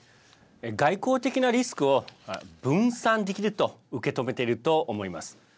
外交的なリスクを分散できると受け止めていると思います。